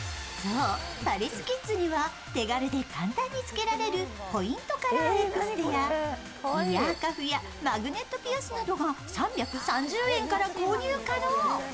パリスキッズには手軽で簡単につけられる、ポイントカラーエクステやイヤーカフやマグネットピアスなどが３３０円から購入可能。